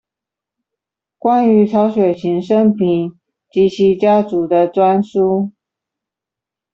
關於曹雪芹生平及其家族的專書